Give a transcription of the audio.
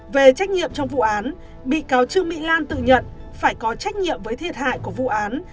về trách nhiệm trong vụ án bị cáo trương mỹ lan tự nhận phải có trách nhiệm với thiệt hại của vụ án